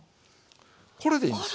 これでいいんです。